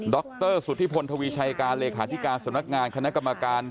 ดรสุธิพนธวีชัยการหลีกหาธิกาสมัครงานคณะกรรมการ